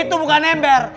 itu bukan ember